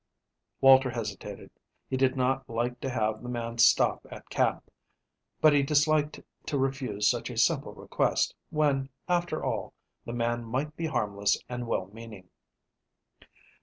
Walter hesitated. He did not like to have the man stop at camp, but he disliked to refuse such a simple request, when, after all, the man might be harmless and well meaning.